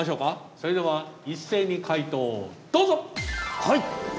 それでは一斉に解答をどうぞ。